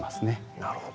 なるほど。